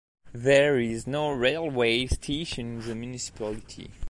There is no railway station in the municipality.